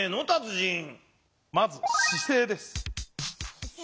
まず姿勢です。